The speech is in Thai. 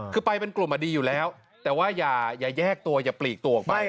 คือไปเป็นกลุ่มดีอยู่แล้วแต่ว่าอย่าแยกตัวอย่าปลีกตัวออกไป